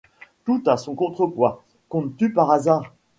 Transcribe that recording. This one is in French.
Tout a son contrepoids. Comptes-tu, par hasard